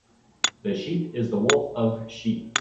The sheep is the wolf of sheep.